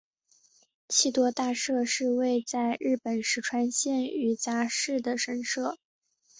气多大社是位在日本石川县羽咋市的神社。